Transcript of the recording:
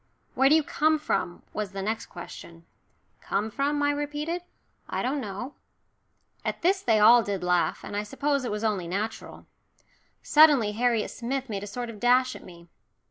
"Where do you come from?" was the next question. "Come from?" I repeated. "I don't know." At this they all did laugh, and I suppose it was only natural. Suddenly Harriet Smith made a sort of dash at me.